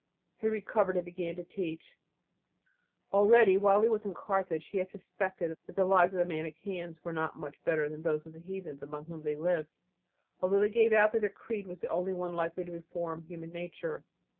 He recovered, and began to teach. Already while he was in Carthage he had suspected that the lives of the Manicheans were not much better than those of the heathens among whom they lived, although they gave out that their creed was the only one likely to reform human nature.